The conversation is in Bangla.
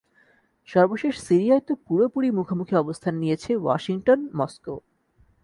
সর্বশেষ সিরিয়ায় তো পুরোপুরি মুখোমুখি অবস্থান নিয়েছে ওয়াশিংটন মস্কো।